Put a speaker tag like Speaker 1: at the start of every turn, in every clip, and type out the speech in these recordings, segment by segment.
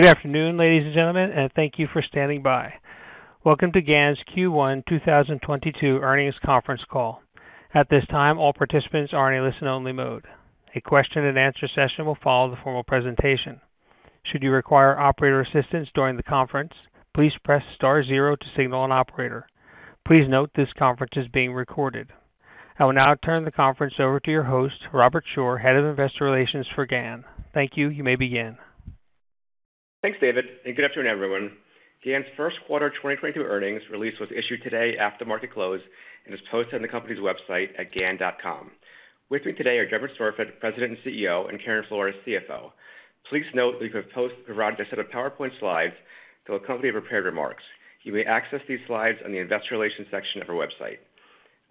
Speaker 1: Good afternoon, ladies and gentlemen, and thank you for standing by. Welcome to GAN's Q1 2022 earnings conference call. At this time, all participants are in a listen-only mode. A question and answer session will follow the formal presentation. Should you require operator assistance during the conference, please press star zero to signal an operator. Please note this conference is being recorded. I will now turn the conference over to your host, Robert Shore, Head of Investor Relations for GAN. Thank you. You may begin.
Speaker 2: Thanks, David, and good afternoon, everyone. GAN's first quarter 2022 earnings release was issued today after market close and is posted on the company's website at GAN.com. With me today are Dermot Smurfit, President and CEO, and Karen Flores, CFO. Please note we have pre-provided a set of PowerPoint slides to accompany our prepared remarks. You may access these slides on the investor relations section of our website.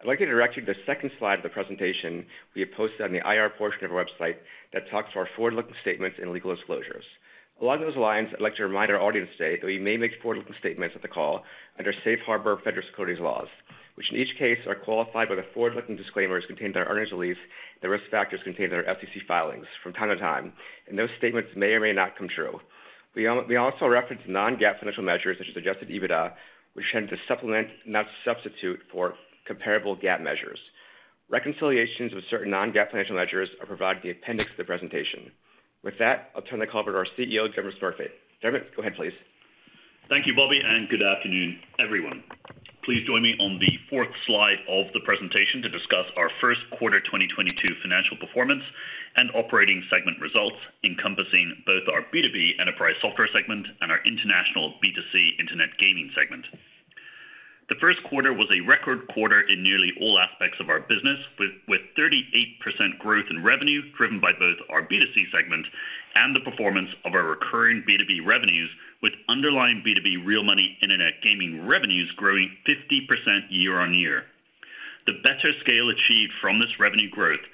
Speaker 2: I'd like to direct you to the second slide of the presentation we have posted on the IR portion of our website that talks to our forward-looking statements and legal disclosures. Along those lines, I'd like to remind our audience today that we may make forward-looking statements during the call under safe harbor federal securities laws, which in each case are qualified by the forward-looking disclaimers contained in our earnings release, the risk factors contained in our SEC filings from time to time, and those statements may or may not come true. We also reference non-GAAP financial measures such as adjusted EBITDA, which tend to supplement, not substitute for comparable GAAP measures. Reconciliations of certain non-GAAP financial measures are provided in the appendix of the presentation. With that, I'll turn the call over to our CEO, Dermot Smurfit. Dermot, go ahead, please.
Speaker 3: Thank you, Bobby, and good afternoon, everyone. Please join me on the fourth slide of the presentation to discuss our first quarter 2022 financial performance and operating segment results encompassing both our B2B enterprise software segment and our international B2C internet gaming segment. The first quarter was a record quarter in nearly all aspects of our business, with 38% growth in revenue driven by both our B2C segment and the performance of our recurring B2B revenues, with underlying B2B real money internet gaming revenues growing 50% year-over-year. The better scale achieved from this revenue growth,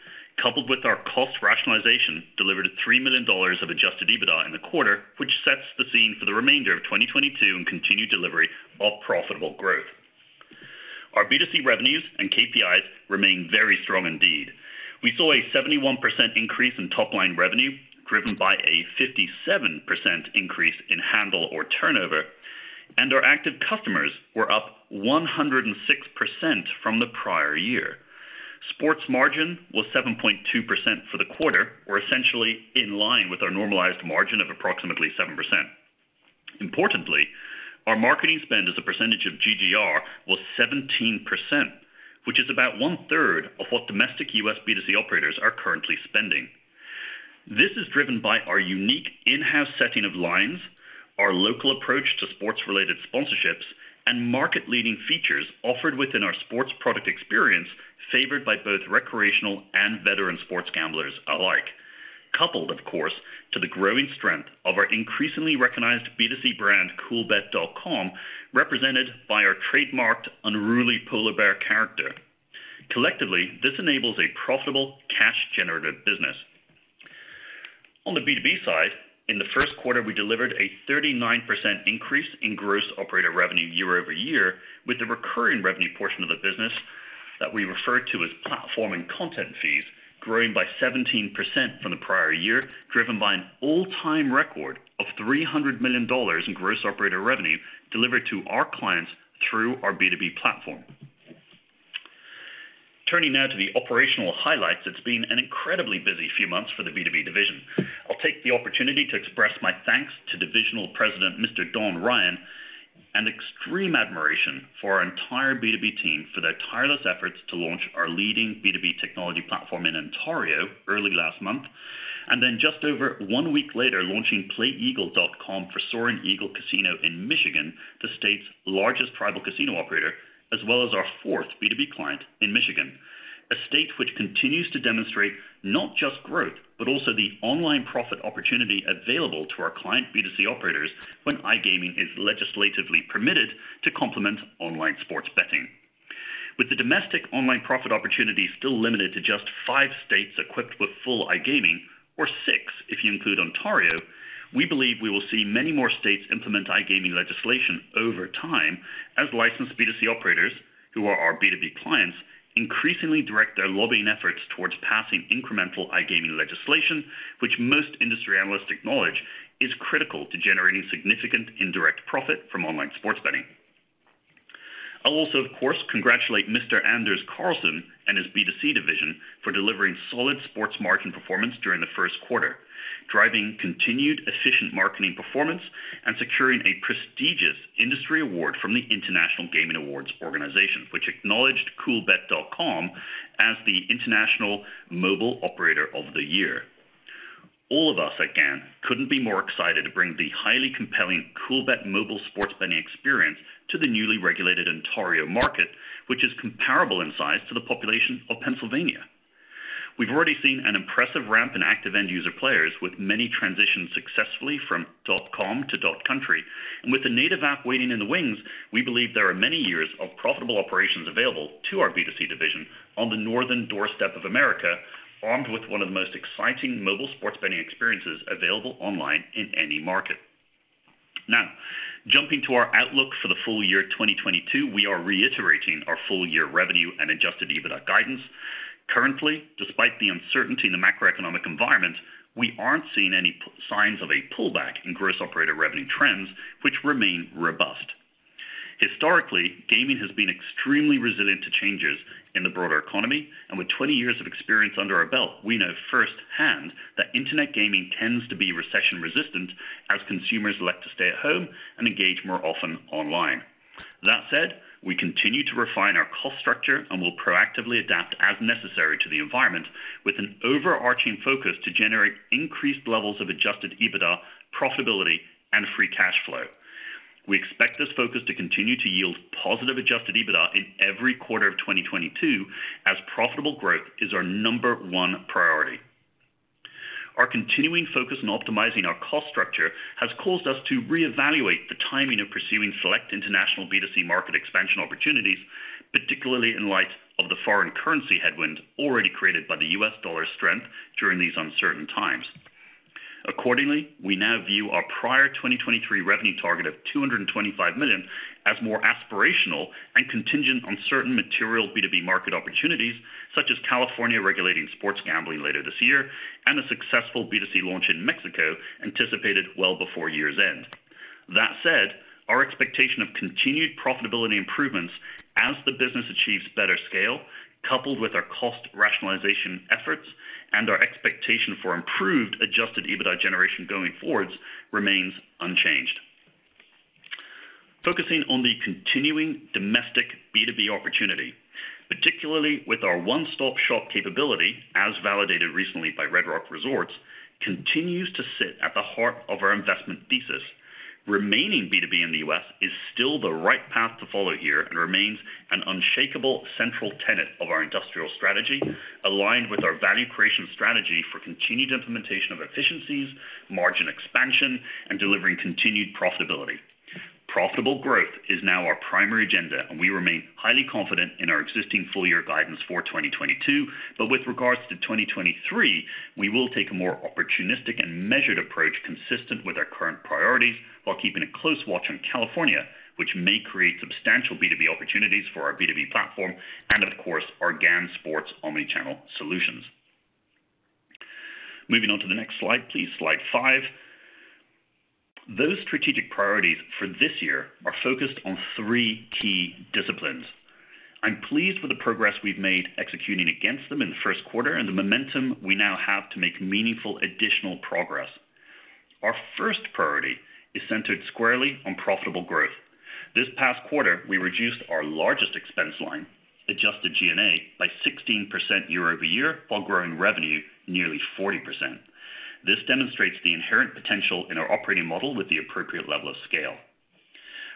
Speaker 3: coupled with our cost rationalization, delivered $3 million of adjusted EBITDA in the quarter, which sets the scene for the remainder of 2022 and continued delivery of profitable growth. Our B2C revenues and KPIs remain very strong indeed. We saw a 71% increase in top-line revenue, driven by a 57% increase in handle or turnover, and our active customers were up 106% from the prior year. Sports margin was 7.2% for the quarter. We're essentially in line with our normalized margin of approximately 7%. Importantly, our marketing spend as a percentage of GGR was 17%, which is about one-third of what domestic US B2C operators are currently spending. This is driven by our unique in-house setting of lines, our local approach to sports-related sponsorships, and market-leading features offered within our sports product experience favored by both recreational and veteran sports gamblers alike. Coupled of course, to the growing strength of our increasingly recognized B2C brand, Coolbet.com, represented by our trademarked unruly polar bear character. Collectively, this enables a profitable cash generative business. On the B2B side, in the first quarter, we delivered a 39% increase in gross operator revenue year-over-year with the recurring revenue portion of the business that we refer to as platform and content fees, growing by 17% from the prior year, driven by an all-time record of $300 million in gross operator revenue delivered to our clients through our B2B platform. Turning now to the operational highlights, it's been an incredibly busy few months for the B2B division. I'll take the opportunity to express my thanks to divisional president, Mr. Don Ryan, and extreme admiration for our entire B2B team for their tireless efforts to launch our leading B2B technology platform in Ontario early last month. Just over one week later, launching playeagle.com for Soaring Eagle Casino & Resort in Michigan, the state's largest tribal casino operator, as well as our fourth B2B client in Michigan, a state which continues to demonstrate not just growth, but also the online profit opportunity available to our client B2C operators when iGaming is legislatively permitted to complement online sports betting. With the domestic online profit opportunity still limited to just five states equipped with full iGaming or six if you include Ontario, we believe we will see many more states implement iGaming legislation over time as licensed B2C operators, who are our B2B clients, increasingly direct their lobbying efforts towards passing incremental iGaming legislation, which most industry analysts acknowledge is critical to generating significant indirect profit from online sports betting. I'll also, of course, congratulate Mr. Anders Carlsson and his B2C division for delivering solid sports margin performance during the first quarter, driving continued efficient marketing performance and securing a prestigious industry award from the International Gaming Awards organization, which acknowledged Coolbet.com as the international mobile operator of the year. All of us at GAN couldn't be more excited to bring the highly compelling Coolbet mobile sports betting experience to the newly regulated Ontario market, which is comparable in size to the population of Pennsylvania. We've already seen an impressive ramp in active end user players, with many transitions successfully from dot-com to dot-ca. With the native app waiting in the wings, we believe there are many years of profitable operations available to our B2C division on the northern doorstep of America, armed with one of the most exciting mobile sports betting experiences available online in any market. Now, jumping to our outlook for the full year 2022, we are reiterating our full year revenue and adjusted EBITDA guidance. Currently, despite the uncertainty in the macroeconomic environment, we aren't seeing any signs of a pullback in gross operator revenue trends, which remain robust. Historically, gaming has been extremely resilient to changes in the broader economy, and with 20 years of experience under our belt, we know firsthand that internet gaming tends to be recession-resistant as consumers like to stay at home and engage more often online. That said, we continue to refine our cost structure and will proactively adapt as necessary to the environment with an overarching focus to generate increased levels of adjusted EBITDA profitability and free cash flow. We expect this focus to continue to yield positive adjusted EBITDA in every quarter of 2022, as profitable growth is our number one priority. Our continuing focus on optimizing our cost structure has caused us to reevaluate the timing of pursuing select international B2C market expansion opportunities, particularly in light of the foreign currency headwind already created by the US dollar strength during these uncertain times. Accordingly, we now view our prior 2023 revenue target of $225 million as more aspirational and contingent on certain material B2B market opportunities, such as California regulating sports gambling later this year, and a successful B2C launch in Mexico, anticipated well before year's end. That said, our expectation of continued profitability improvements as the business achieves better scale, coupled with our cost rationalization efforts and our expectation for improved adjusted EBITDA generation going forwards, remains unchanged. Focusing on the continuing domestic B2B opportunity, particularly with our one-stop-shop capability, as validated recently by Red Rock Resorts, continues to sit at the heart of our investment thesis. Remaining B2B in the U.S. is still the right path to follow here and remains an unshakable central tenet of our industrial strategy, aligned with our value creation strategy for continued implementation of efficiencies, margin expansion, and delivering continued profitability. Profitable growth is now our primary agenda, and we remain highly confident in our existing full year guidance for 2022. With regards to 2023, we will take a more opportunistic and measured approach consistent with our current priorities while keeping a close watch on California, which may create substantial B2B opportunities for our B2B platform and of course, our GAN Sports omni-channel solutions. Moving on to the next slide, please. Slide 5. Those strategic priorities for this year are focused on three key disciplines. I'm pleased with the progress we've made executing against them in the first quarter and the momentum we now have to make meaningful additional progress. Our first priority is centered squarely on profitable growth. This past quarter, we reduced our largest expense line, adjusted G&A, by 16% year-over-year while growing revenue nearly 40%. This demonstrates the inherent potential in our operating model with the appropriate level of scale.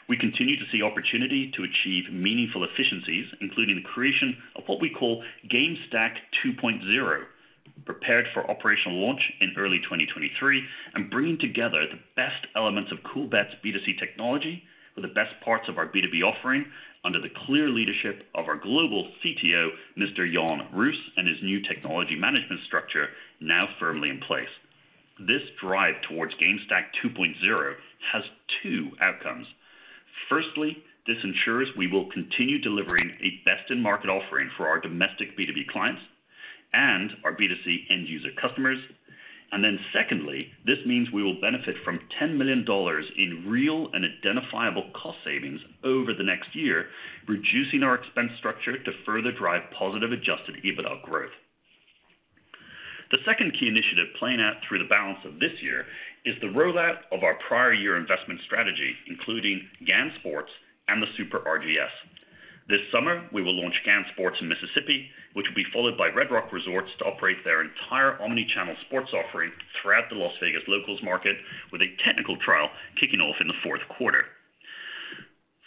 Speaker 3: We continue to see opportunity to achieve meaningful efficiencies, including the creation of what we call GameSTACK 2.0, prepared for operational launch in early 2023 and bringing together the best elements of Coolbet's B2C technology with the best parts of our B2B offering under the clear leadership of our global CTO, Mr. Jan Roos, and his new technology management structure now firmly in place. This drive towards GameSTACK 2.0 has two outcomes. Firstly, this ensures we will continue delivering a best-in-market offering for our domestic B2B clients and our B2C end user customers. Secondly, this means we will benefit from $10 million in real and identifiable cost savings over the next year, reducing our expense structure to further drive positive adjusted EBITDA growth. The second key initiative playing out through the balance of this year is the rollout of our prior year investment strategy, including GAN Sports and the Super RGS. This summer, we will launch GAN Sports in Mississippi, which will be followed by Red Rock Resorts to operate their entire omni-channel sports offering throughout the Las Vegas locals market with a technical trial kicking off in the fourth quarter.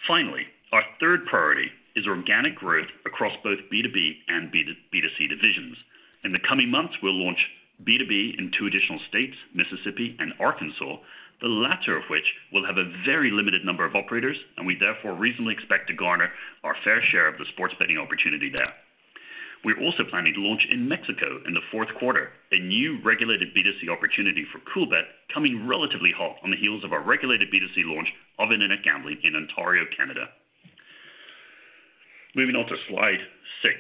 Speaker 3: Finally, our third priority is organic growth across both B2B and B2C divisions. In the coming months, we'll launch B2B in two additional states, Mississippi and Arkansas, the latter of which will have a very limited number of operators, and we, therefore, reasonably expect to garner our fair share of the sports betting opportunity there. We're also planning to launch in Mexico in the fourth quarter, a new regulated B2C opportunity for Coolbet, coming relatively hot on the heels of our regulated B2C launch of internet gambling in Ontario, Canada. Moving on to slide 6,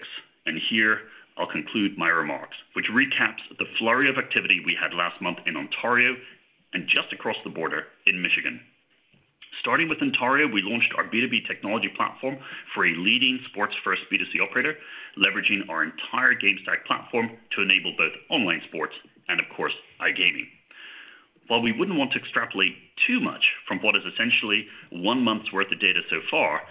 Speaker 3: and here I'll conclude my remarks, which recaps the flurry of activity we had last month in Ontario and just across the border in Michigan. Starting with Ontario, we launched our B2B technology platform for a leading sports first B2C operator, leveraging our entire GameSTACK platform to enable both online sports and, of course, iGaming. While we wouldn't want to extrapolate too much from what is essentially one month's worth of data so far,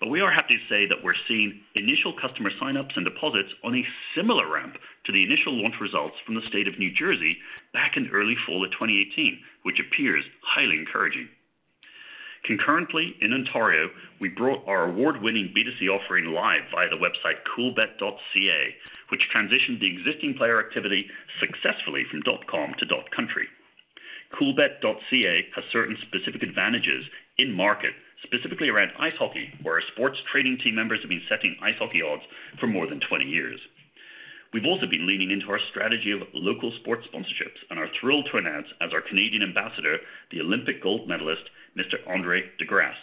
Speaker 3: but we are happy to say that we're seeing initial customer sign-ups and deposits on a similar ramp to the initial launch results from the state of New Jersey back in early fall of 2018, which appears highly encouraging. Concurrently, in Ontario, we brought our award-winning B2C offering live via the website coolbet.ca, which transitioned the existing player activity successfully from dot com to dot country. Coolbet.ca has certain specific advantages in market, specifically around ice hockey, where our sports trading team members have been setting ice hockey odds for more than 20 years. We've also been leaning into our strategy of local sports sponsorships, and are thrilled to announce as our Canadian ambassador, the Olympic gold medalist, Mr. Andre De Grasse,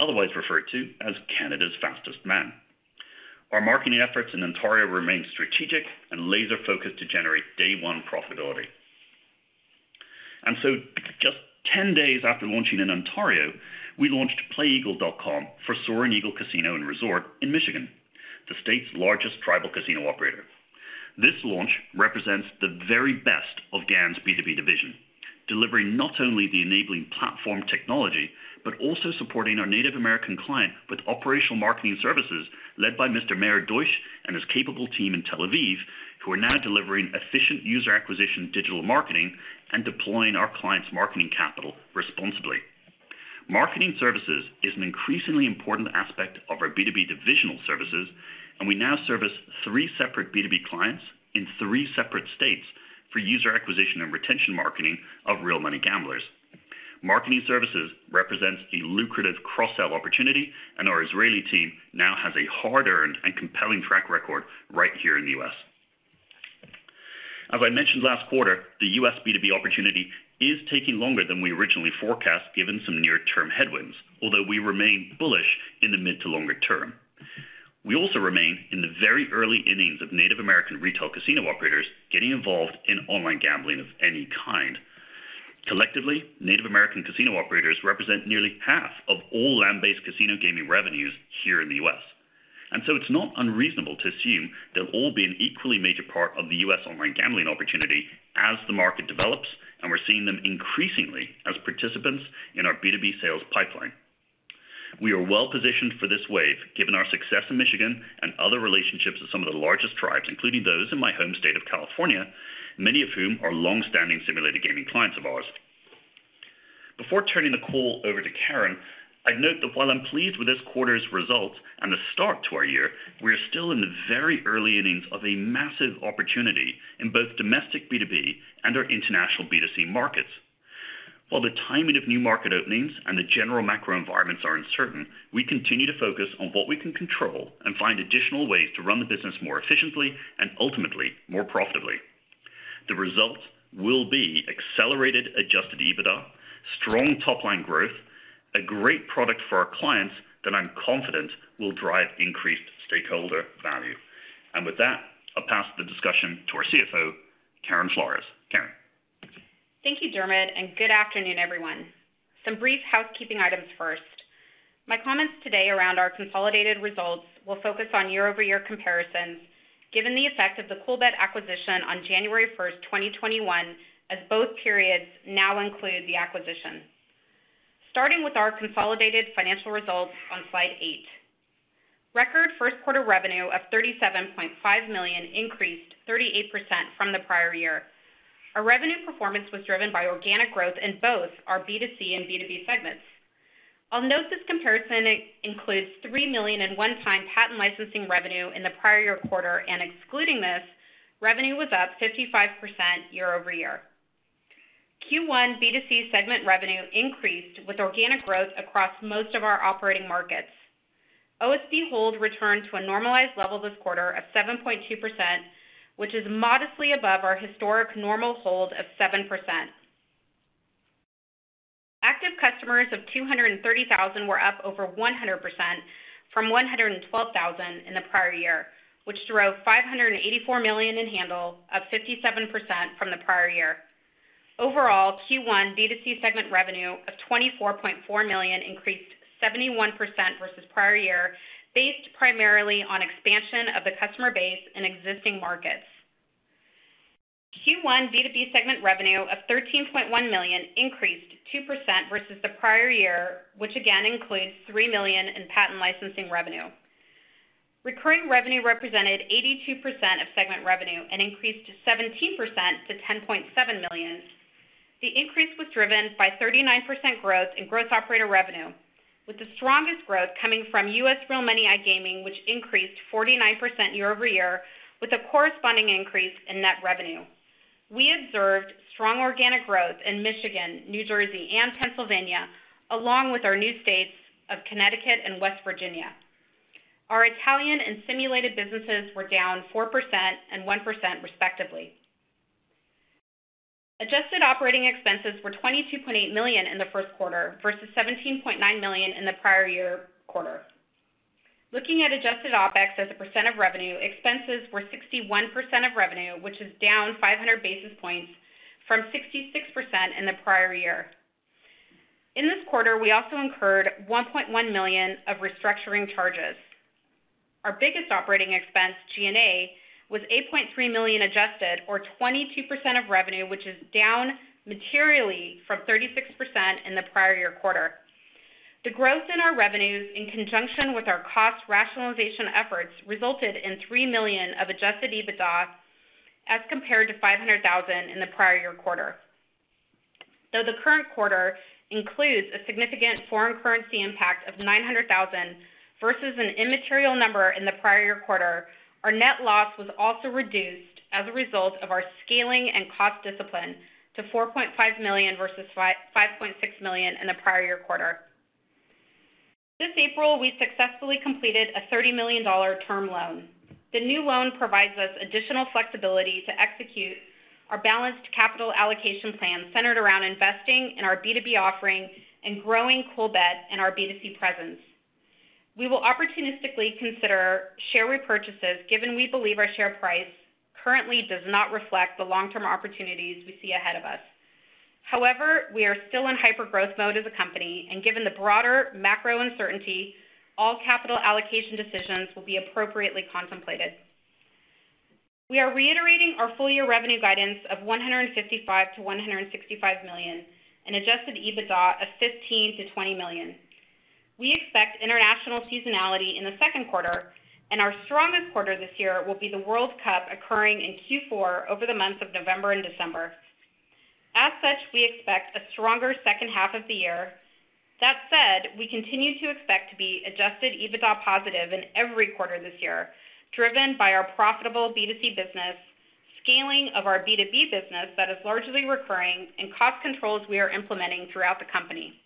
Speaker 3: otherwise referred to as Canada's fastest man. Our marketing efforts in Ontario remain strategic and laser-focused to generate day one profitability. Just 10 days after launching in Ontario, we launched playeagle.com for Soaring Eagle Casino & Resort in Michigan, the state's largest tribal casino operator. This launch represents the very best of GAN's B2B division, delivering not only the enabling platform technology, but also supporting our Native American client with operational marketing services led by Mr. Meir Deutsch and his capable team in Tel Aviv, who are now delivering efficient user acquisition digital marketing, and deploying our client's marketing capital responsibly. Marketing services is an increasingly important aspect of our B2B divisional services, and we now service three separate B2B clients in three separate states for user acquisition and retention marketing of real money gamblers. Marketing services represents the lucrative cross-sell opportunity, and our Israeli team now has a hard-earned and compelling track record right here in the U.S. As I mentioned last quarter, the U.S. B2B opportunity is taking longer than we originally forecast, given some near-term headwinds, although we remain bullish in the mid to longer term. We also remain in the very early innings of Native American retail casino operators getting involved in online gambling of any kind. Collectively, Native American casino operators represent nearly half of all land-based casino gaming revenues here in the U.S. It's not unreasonable to assume they'll all be an equally major part of the U.S. online gambling opportunity as the market develops, and we're seeing them increasingly as participants in our B2B sales pipeline. We are well-positioned for this wave, given our success in Michigan and other relationships with some of the largest tribes, including those in my home state of California, many of whom are longstanding simulated gaming clients of ours. Before turning the call over to Karen, I'd note that while I'm pleased with this quarter's results and the start to our year, we are still in the very early innings of a massive opportunity in both domestic B2B and our international B2C markets. While the timing of new market openings and the general macro environments are uncertain, we continue to focus on what we can control and find additional ways to run the business more efficiently and ultimately, more profitably. The results will be accelerated adjusted EBITDA, strong top-line growth, a great product for our clients that I'm confident will drive increased stakeholder value. With that, I'll pass the discussion to our CFO, Karen Flores. Karen?
Speaker 4: Thank you, Dermot, and good afternoon, everyone. Some brief housekeeping items first. My comments today around our consolidated results will focus on year-over-year comparisons given the effect of the Coolbet acquisition on January 1, 2021, as both periods now include the acquisition. Starting with our consolidated financial results on slide eight. Record first quarter revenue of $37.5 million increased 38% from the prior year. Our revenue performance was driven by organic growth in both our B2C and B2B segments. I'll note this comparison includes $3 million in one-time patent licensing revenue in the prior year quarter, and excluding this, revenue was up 55% year-over-year. Q1 B2C segment revenue increased with organic growth across most of our operating markets. OSD hold returned to a normalized level this quarter of 7.2%, which is modestly above our historic normal hold of 7%. Active customers of 230,000 were up over 100% from 112,000 in the prior year, which drove $584 million in handle of 57% from the prior year. Overall, Q1 B2C segment revenue of $24.4 million increased 71% versus prior year, based primarily on expansion of the customer base in existing markets. Q1 B2B segment revenue of $13.1 million increased 2% versus the prior year, which again includes $3 million in patent licensing revenue. Recurring revenue represented 82% of segment revenue and increased 17% to $10.7 million. The increase was driven by 39% growth in gross operator revenue, with the strongest growth coming from U.S. real money iGaming, which increased 49% year-over-year with a corresponding increase in net revenue. We observed strong organic growth in Michigan, New Jersey, and Pennsylvania, along with our new states of Connecticut and West Virginia. Our Italian and simulated businesses were down 4% and 1% respectively. Adjusted operating expenses were $22.8 million in the first quarter versus $17.9 million in the prior year quarter. Looking at adjusted OpEx as a percent of revenue, expenses were 61% of revenue, which is down 500 basis points from 66% in the prior year. In this quarter, we also incurred $1.1 million of restructuring charges. Our biggest operating expense, G&A, was $8.3 million adjusted or 22% of revenue, which is down materially from 36% in the prior year quarter. The growth in our revenues in conjunction with our cost rationalization efforts resulted in $3 million of adjusted EBITDA as compared to $500,000 in the prior year quarter. Though the current quarter includes a significant foreign currency impact of $900,000 versus an immaterial number in the prior year quarter, our net loss was also reduced as a result of our scaling and cost discipline to $4.5 million versus $5.6 million in the prior year quarter. This April, we successfully completed a $30 million term loan. The new loan provides us additional flexibility to execute our balanced capital allocation plan centered around investing in our B2B offerings and growing Coolbet and our B2C presence. We will opportunistically consider share repurchases, given we believe our share price currently does not reflect the long-term opportunities we see ahead of us. However, we are still in hypergrowth mode as a company, and given the broader macro uncertainty, all capital allocation decisions will be appropriately contemplated. We are reiterating our full-year revenue guidance of $155 million-$165 million and adjusted EBITDA of $15 million-$20 million. We expect international seasonality in the second quarter and our strongest quarter this year will be the World Cup occurring in Q4 over the months of November and December. As such, we expect a stronger second half of the year. That said, we continue to expect to be adjusted EBITDA positive in every quarter this year, driven by our profitable B2C business, scaling of our B2B business that is largely recurring, and cost controls we are implementing throughout the company.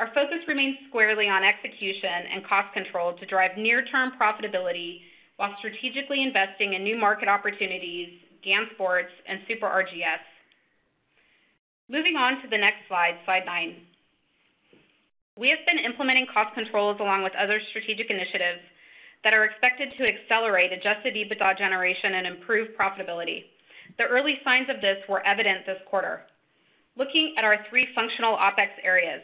Speaker 4: Our focus remains squarely on execution and cost control to drive near-term profitability while strategically investing in new market opportunities, GAN Sports and Super RGS. Moving on to the next slide nine. We have been implementing cost controls along with other strategic initiatives that are expected to accelerate adjusted EBITDA generation and improve profitability. The early signs of this were evident this quarter. Looking at our three functional OpEx areas,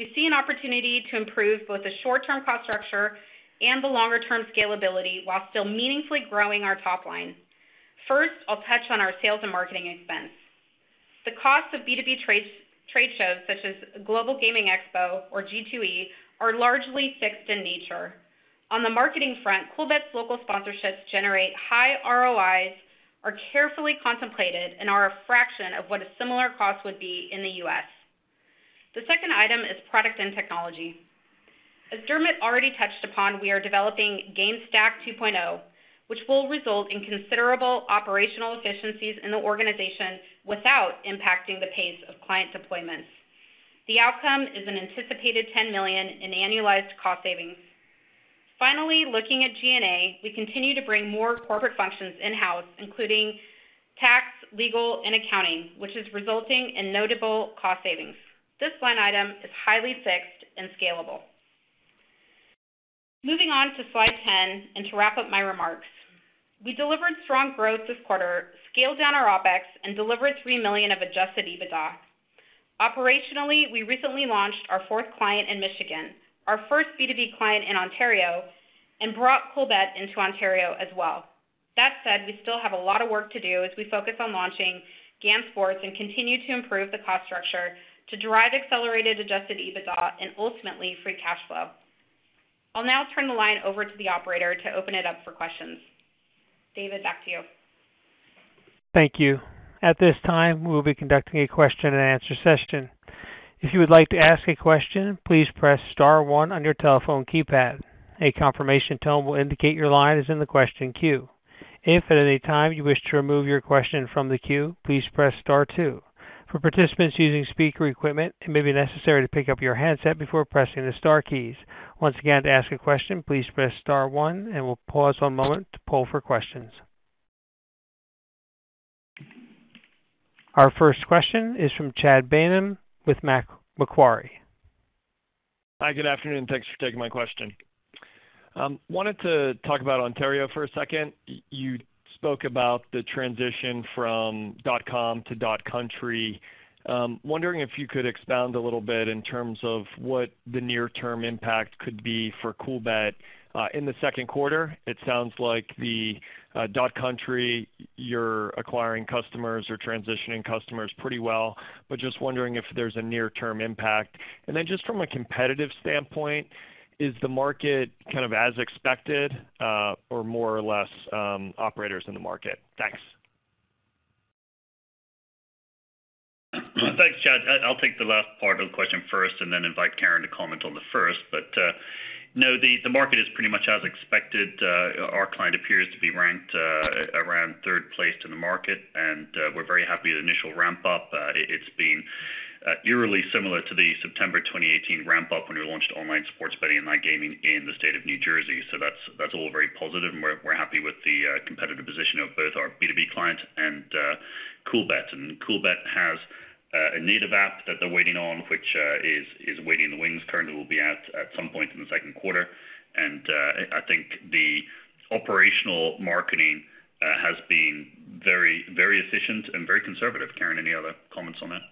Speaker 4: we see an opportunity to improve both the short-term cost structure and the longer-term scalability while still meaningfully growing our top line. First, I'll touch on our sales and marketing expense. The cost of B2B trade shows such as Global Gaming Expo or G2E are largely fixed in nature. On the marketing front, Coolbet's local sponsorships generate high ROIs, are carefully contemplated and are a fraction of what a similar cost would be in the US. The second item is product and technology. As Dermot already touched upon, we are developing GameSTACK 2.0, which will result in considerable operational efficiencies in the organization without impacting the pace of client deployments. The outcome is an anticipated $10 million in annualized cost savings. Finally, looking at G&A, we continue to bring more corporate functions in-house, including tax, legal, and accounting, which is resulting in notable cost savings. This line item is highly fixed and scalable. Moving on to slide 10 and to wrap up my remarks. We delivered strong growth this quarter, scaled down our OpEx and delivered $3 million of adjusted EBITDA. Operationally, we recently launched our fourth client in Michigan, our first B2B client in Ontario, and brought Coolbet into Ontario as well. That said, we still have a lot of work to do as we focus on launching GAN Sports and continue to improve the cost structure to drive accelerated adjusted EBITDA and ultimately free cash flow. I'll now turn the line over to the operator to open it up for questions. David, back to you.
Speaker 1: Thank you. At this time, we'll be conducting a question-and-answer session. If you would like to ask a question, please press star one on your telephone keypad. A confirmation tone will indicate your line is in the question queue. If at any time you wish to remove your question from the queue, please press star two. For participants using speaker equipment, it may be necessary to pick up your handset before pressing the star keys. Once again, to ask a question, please press star one and we'll pause one moment to poll for questions. Our first question is from Chad Beynon with Macquarie.
Speaker 5: Hi, good afternoon. Thanks for taking my question. Wanted to talk about Ontario for a second. You spoke about the transition from dot com to dot country. Wondering if you could expound a little bit in terms of what the near-term impact could be for Coolbet in the second quarter. It sounds like the dot country you're acquiring customers or transitioning customers pretty well, but just wondering if there's a near-term impact. Just from a competitive standpoint, is the market kind of as expected, or more or less operators in the market? Thanks.
Speaker 3: Thanks, Chad. I'll take the last part of the question first and then invite Karen to comment on the first. No, the market is pretty much as expected. Our client appears to be ranked around third place in the market, and we're very happy with the initial ramp-up. It's been eerily similar to the September 2018 ramp-up when we launched online sports betting and iGaming in the state of New Jersey. That's all very positive and we're happy with the competitive position of both our B2B client and Coolbet. Coolbet has a native app that they're waiting on which is waiting in the wings currently, will be out at some point in the second quarter. I think the operational marketing has been very, very efficient and very conservative. Karen, any other comments on that?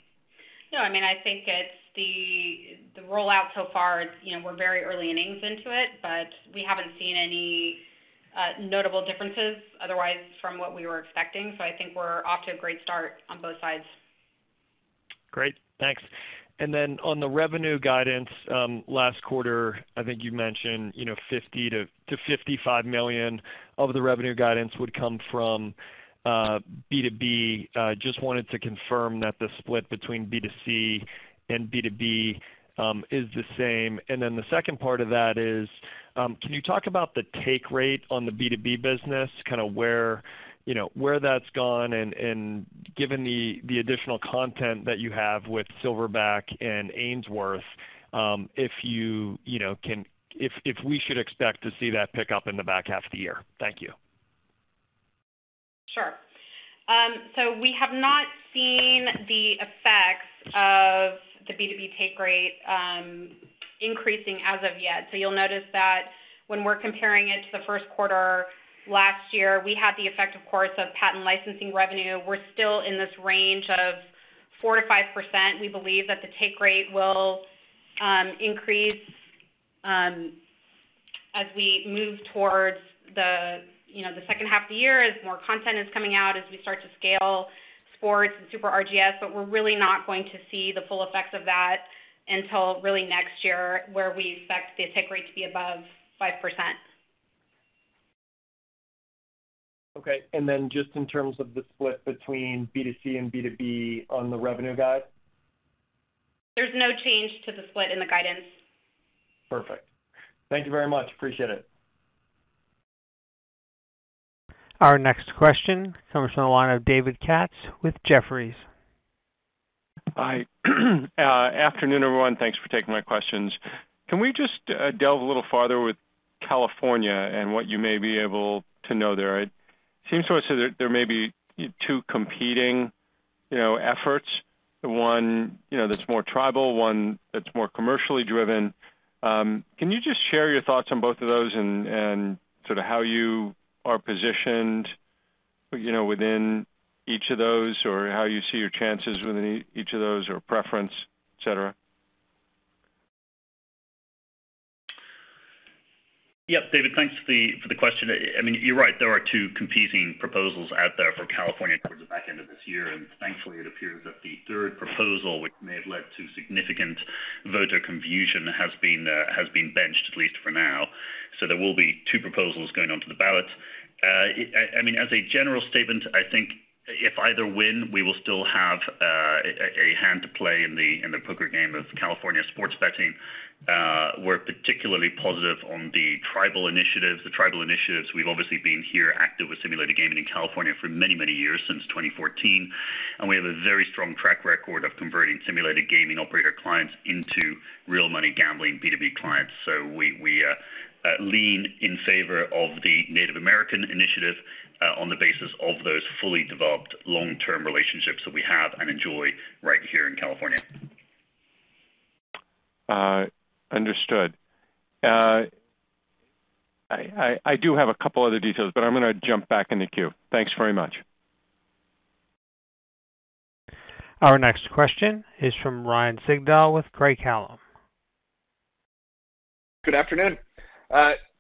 Speaker 4: No, I mean, I think it's the rollout so far is, you know, we're very early innings into it, but we haven't seen any notable differences otherwise from what we were expecting. I think we're off to a great start on both sides.
Speaker 5: Great. Thanks. On the revenue guidance, last quarter, I think you mentioned, you know, $50 million-$55 million of the revenue guidance would come from B2B. Just wanted to confirm that the split between B2C and B2B is the same. The second part of that is, can you talk about the take rate on the B2B business, kind of where, you know, where that's gone and, given the additional content that you have with Silverback and Ainsworth, if we should expect to see that pick up in the back half of the year. Thank you.
Speaker 4: Sure. We have not seen the effects of the B2B take rate increasing as of yet. You'll notice that when we're comparing it to the first quarter last year, we had the effect, of course, of patent licensing revenue. We're still in this range of 4%-5%. We believe that the take rate will increase as we move towards the, you know, the second half of the year as more content is coming out, as we start to scale sports and Super RGS. We're really not going to see the full effects of that until really next year, where we expect the take rate to be above 5%.
Speaker 5: Okay. Just in terms of the split between B2C and B2B on the revenue guide.
Speaker 4: There's no change to the split in the guidance.
Speaker 5: Perfect. Thank you very much. Appreciate it.
Speaker 1: Our next question comes from the line of David Katz with Jefferies.
Speaker 6: Hi. Afternoon, everyone. Thanks for taking my questions. Can we just delve a little farther with California and what you may be able to know there? It seems to us that there may be two competing, you know, efforts. One, you know, that's more tribal, one that's more commercially driven. Can you just share your thoughts on both of those and sort of how you are positioned, you know, within each of those or how you see your chances within each of those or preference, et cetera?
Speaker 3: Yep. David, thanks for the question. I mean, you're right. There are two competing proposals out there for California towards the back end of this year, and thankfully it appears that the third proposal, which may have led to significant voter confusion, has been benched, at least for now. There will be two proposals going onto the ballot. I mean, as a general statement, I think if either win, we will still have a hand to play in the poker game of California sports betting. We're particularly positive on the tribal initiatives. The tribal initiatives, we've obviously been here active with simulated gaming in California for many years, since 2014, and we have a very strong track record of converting simulated gaming operator clients into real money gambling B2B clients. We lean in favor of the Native American initiative on the basis of those fully developed long-term relationships that we have and enjoy right here in California.
Speaker 6: Understood. I do have a couple other details, but I'm gonna jump back in the queue. Thanks very much.
Speaker 1: Our next question is from Ryan Sigdahl with Craig-Hallum.
Speaker 7: Good afternoon.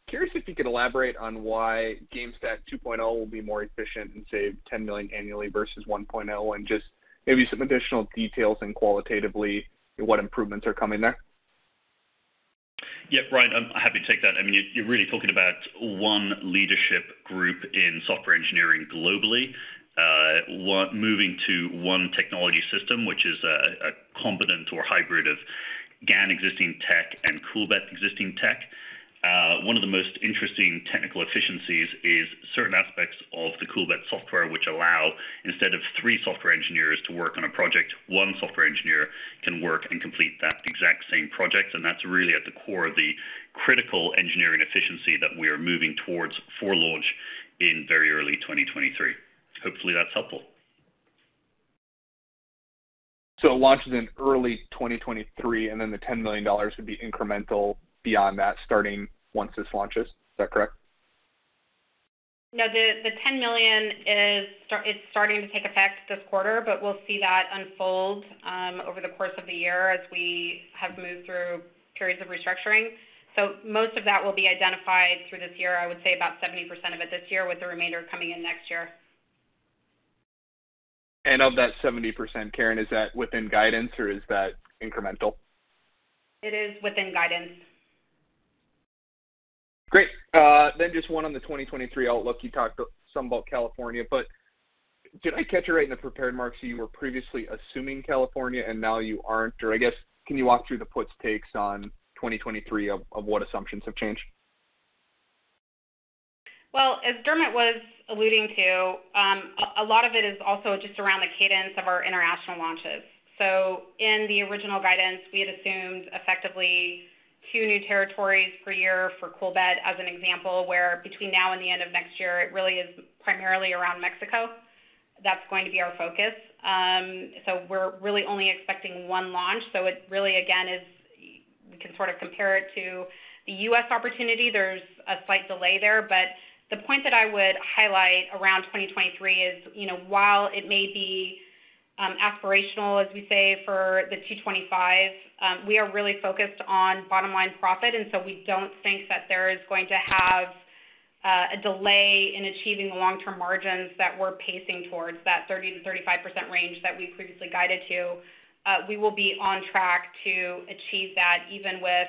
Speaker 7: Curious if you could elaborate on why GameSTACK 2.0 will be more efficient and save $10 million annually versus 1.0, and just maybe some additional details and qualitatively what improvements are coming there?
Speaker 3: Yeah, Ryan, I'm happy to take that. I mean, you're really talking about one leadership group in software engineering globally, one moving to one technology system, which is a competent or hybrid of GAN existing tech and Coolbet existing tech. One of the most interesting technical efficiencies is certain aspects of the Coolbet software which allow, instead of three software engineers to work on a project, one software engineer can work and complete that exact same project. That's really at the core of the critical engineering efficiency that we are moving towards for launch in very early 2023. Hopefully, that's helpful.
Speaker 7: It launches in early 2023, and then the $10 million would be incremental beyond that, starting once this launches. Is that correct?
Speaker 4: No, the $10 million is starting to take effect this quarter, but we'll see that unfold over the course of the year as we have moved through periods of restructuring. Most of that will be identified through this year. I would say about 70% of it this year, with the remainder coming in next year.
Speaker 7: Of that 70%, Karen, is that within guidance or is that incremental?
Speaker 4: It is within guidance.
Speaker 7: Great. Just one on the 2023 outlook. You talked some about California, but did I catch it right in the prepared remarks that you were previously assuming California and now you aren't? I guess, can you walk through the puts and takes on 2023 of what assumptions have changed?
Speaker 4: Well, as Dermot was alluding to, a lot of it is also just around the cadence of our international launches. In the original guidance, we had assumed effectively two new territories per year for Coolbet as an example, where between now and the end of next year it really is primarily around Mexico. That's going to be our focus. We're really only expecting one launch. It really, again, is. We can sort of compare it to the U.S. opportunity. There's a slight delay there. The point that I would highlight around 2023 is, you know, while it may be aspirational, as we say, for the 2025, we are really focused on bottom line profit, and so we don't think that there is going to have a delay in achieving the long-term margins that we're pacing towards, that 30%-35% range that we previously guided to. We will be on track to achieve that even with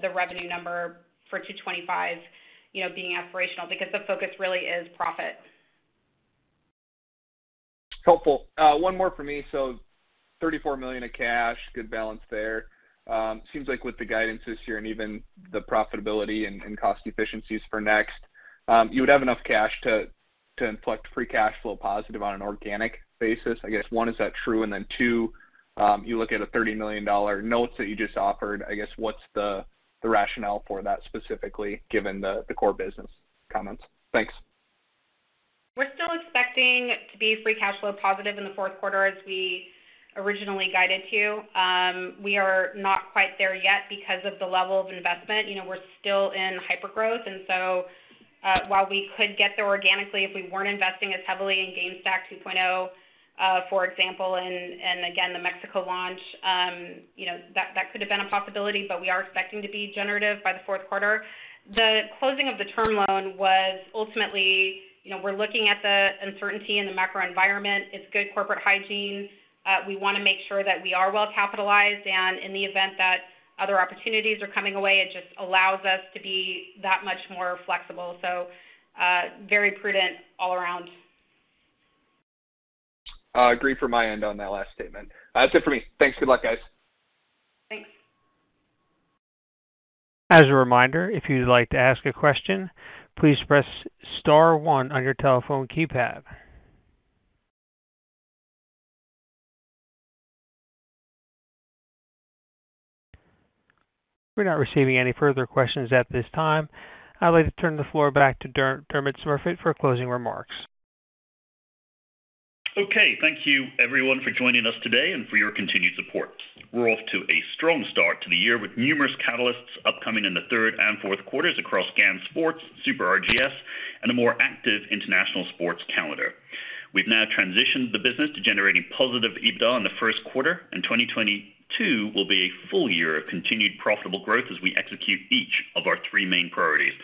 Speaker 4: the revenue number for 2025, you know, being aspirational, because the focus really is profit.
Speaker 7: Helpful. One more for me. $34 million of cash, good balance there. Seems like with the guidance this year and even the profitability and cost efficiencies for next, you would have enough cash to inflect free cash flow positive on an organic basis. I guess one, is that true? And then two, you look at a $30 million note that you just offered. I guess what's the rationale for that specifically given the core business comments? Thanks.
Speaker 4: We're still expecting to be free cash flow positive in the fourth quarter as we originally guided to. We are not quite there yet because of the level of investment. You know, we're still in hypergrowth. While we could get there organically, if we weren't investing as heavily in GameSTACK 2.0, for example, and again, the Mexico launch, you know, that could have been a possibility, but we are expecting to be generative by the fourth quarter. The closing of the term loan was ultimately, you know, we're looking at the uncertainty in the macro environment. It's good corporate hygiene. We wanna make sure that we are well capitalized, and in the event that other opportunities are coming our way, it just allows us to be that much more flexible. Very prudent all around.
Speaker 7: Agree from my end on that last statement. That's it for me. Thanks. Good luck, guys.
Speaker 4: Thanks.
Speaker 1: As a reminder, if you'd like to ask a question, please press star one on your telephone keypad. We're not receiving any further questions at this time. I'd like to turn the floor back to Dermot Smurfit for closing remarks.
Speaker 3: Okay. Thank you everyone for joining us today and for your continued support. We're off to a strong start to the year with numerous catalysts upcoming in the third and fourth quarters across GAN Sports, Super RGS, and a more active international sports calendar. We've now transitioned the business to generating positive EBITDA in the first quarter, and 2022 will be a full year of continued profitable growth as we execute each of our three main priorities.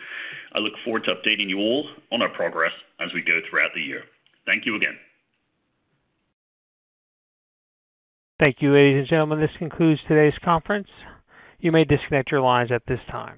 Speaker 3: I look forward to updating you all on our progress as we go throughout the year. Thank you again.
Speaker 1: Thank you, ladies and gentlemen. This concludes today's conference. You may disconnect your lines at this time.